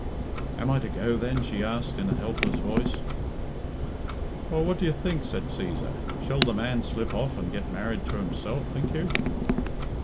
"Am I to go, then?" she asked in a helpless voice. "Well, what do you think?" said Cæsar. "Shall the man slip off and get married to himself, think you?"